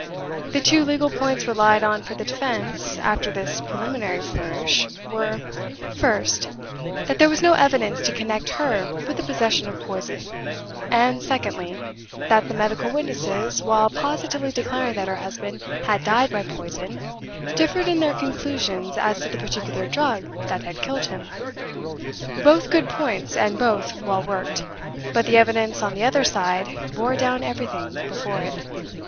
The two legal points relied on for the defense (after this preliminary flourish) were: First, that there was no evidence to connect her with the possession of poison; and, secondly, that the medical witnesses, while positively declaring that her husband had died by poison, differed in their conclusions as to the particular drug that had killed him. Both good points, and both well worked; but the evidence on the other side bore down everything before it.